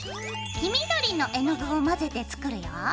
黄緑の絵の具を混ぜて作るよ。